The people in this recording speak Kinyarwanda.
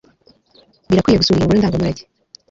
Birakwiye gusura iyo ngoro ndangamurage